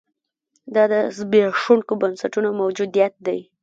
دا د زبېښونکو بنسټونو موجودیت دی.